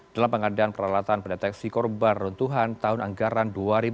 dalam pengadaan peralatan pendeteksi korban runtuhan tahun anggaran dua ribu dua puluh